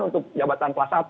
untuk jabatan kelas satu